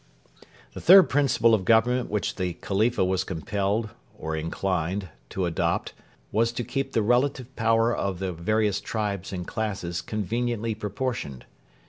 The third principle of government which the Khalifa was compelled, or inclined, to adopt was to keep the relative power of the various tribes and classes conveniently proportioned.